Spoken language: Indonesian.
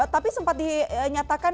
tapi sempat dinyatakan